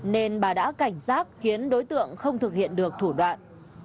nên bà đã cảnh giác khiến đối tượng không thực hiện được thủ đoạn